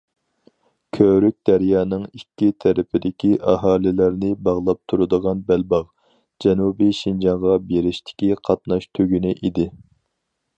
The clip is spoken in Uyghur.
كۆۋرۈك دەريانىڭ ئىككى تەرىپىدىكى ئاھالىلەرنى باغلاپ تۇرىدىغان بەلباغ، جەنۇبىي شىنجاڭغا بېرىشتىكى قاتناش تۈگۈنى ئىدى.